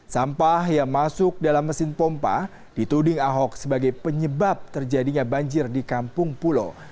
sampah yang masuk dalam mesin pompa dituding ahok sebagai penyebab terjadinya banjir di kampung pulau